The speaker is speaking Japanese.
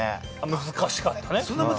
難しかった。